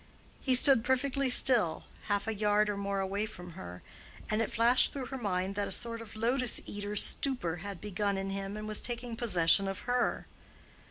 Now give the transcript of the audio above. He stood perfectly still, half a yard or more away from her; and it flashed through her mind what a sort of lotus eater's stupor had begun in him and was taking possession of her.